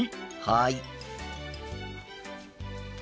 はい。